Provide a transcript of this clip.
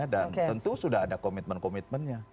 dan tentu sudah ada komitmen komitmennya